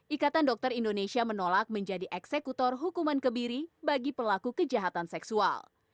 ikatan dokter indonesia menolak menjadi eksekutor hukuman kebiri bagi pelaku kejahatan seksual